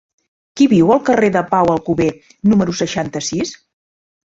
Qui viu al carrer de Pau Alcover número seixanta-sis?